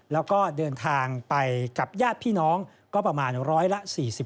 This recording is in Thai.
แล้วก็เดินทางไปกับญาติพี่น้องก็ประมาณร้อยละ๔๕